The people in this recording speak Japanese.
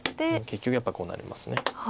結局やっぱりこうなります。